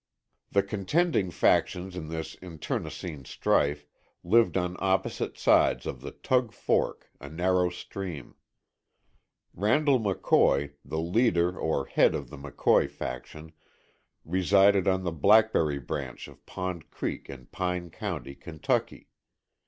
The contending factions in this internecine strife lived on opposite sides of the Tug Fork, a narrow stream. Randall McCoy, the leader or head of the McCoy faction, resided on the Blackberry Branch of Pond Creek in Pike County, Kentucky.